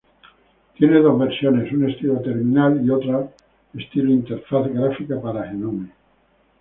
Tiene dos versiones, una estilo terminal y otra estilo interfaz gráfica para Gnome.